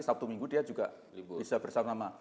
sabtu minggu dia juga bisa bersama sama